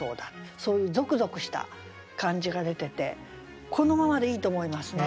そういうゾクゾクした感じが出ててこのままでいいと思いますね。